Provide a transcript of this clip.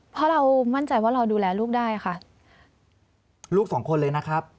เพราะเรามั่นใจว่าเราดูแลลูกได้ค่ะลูกสองคนเลยนะครับ